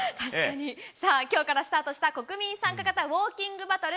今日からスタートした国民参加型ウォーキングバトル。